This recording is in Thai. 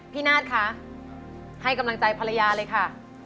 นาฏคะให้กำลังใจภรรยาเลยค่ะ